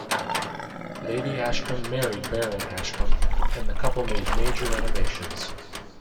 Lady Ashcombe married Baron Ashcombe, and the couple made major renovations.